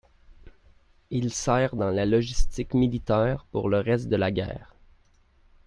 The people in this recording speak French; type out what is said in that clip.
Il sert dans la logistique militaire pour le reste de la guerre.